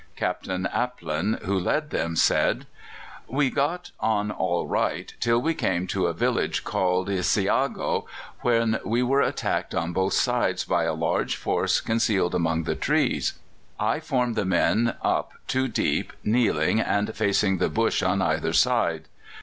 Captain Aplin, who led them, said: "We got on all right till we came to a village called Esiago, when we were attacked on both sides by a large force concealed among the trees. I formed the men up two deep, kneeling, and facing the bush on either side.